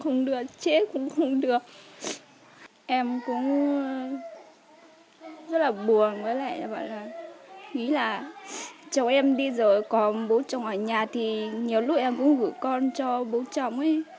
nói ra chồng em đi rồi còn bố chồng ở nhà thì nhiều lúc em cũng gửi con cho bố chồng ấy